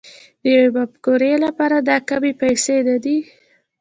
د يوې مفکورې لپاره دا کمې پيسې نه دي.